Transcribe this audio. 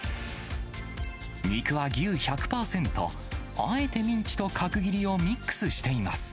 肉は牛１００％、あえてミンチと角切りをミックスしています。